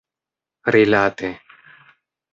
rilate